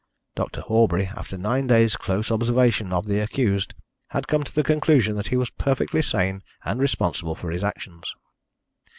Dr. Horbury, after nine days close observation of the accused, had come to the conclusion that he was perfectly sane and responsible for his actions.